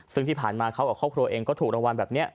ซึ่งที่ผ่านมาเขากับครอบครัวเองก็ถูกรางวัลแบบนี้